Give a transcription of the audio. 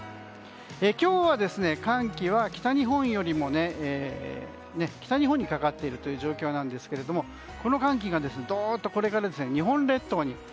今日は寒気は北日本にかかっているという状況なんですけどこの寒気がどっと日本列島に。